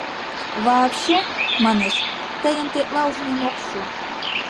Вообще, манеш, тыйым тетла ужмем ок шу.